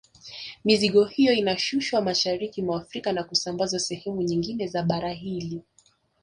Mizigo hiyo inashushwa mashariki mwa Afrika na kusambazwa sehemu nyingine za bara hili